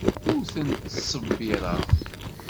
Ur tent-ttṣebbireɣ.